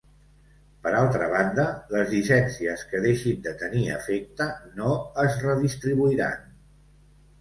Per altra banda, les llicències que deixin de tenir efecte no es redistribuiran.